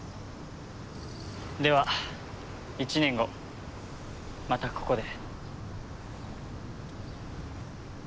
では１年後またここで。